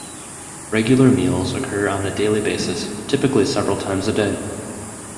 Regular meals occur on a daily basis, typically several times a day.